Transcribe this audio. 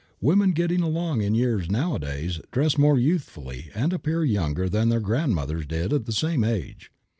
Women getting along in years nowadays dress more youthfully and appear younger than their grandmothers did at the same age.